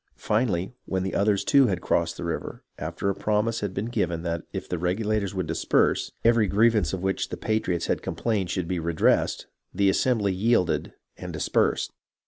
Finally, when others too had crossed the river, after a promise had been given that if the Regula tors would disperse, every grievance of which the patriots had complained should be redressed, the assembly yielded and dispersed.